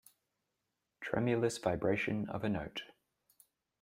Tremulous vibration of a note.